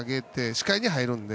視界に入るので。